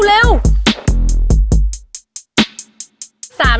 เร็วเร็ว